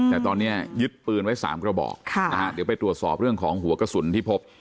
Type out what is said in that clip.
แต่ตอนนี้ยึดปืนไว้๓กระบอกเดี๋ยวไปตรวจสอบเรื่องของหัวกระสุนที่พบ